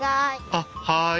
あっはい。